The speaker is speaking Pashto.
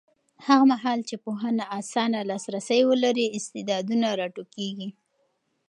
هغه مهال چې پوهنه اسانه لاسرسی ولري، استعدادونه راټوکېږي.